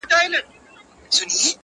له نېستۍ به سې فارغ په زړه به ښاد سې!!